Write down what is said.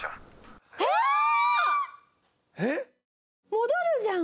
戻るじゃん！